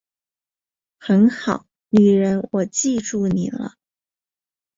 很好，女人我记住你了